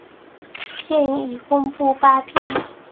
现已公布八批。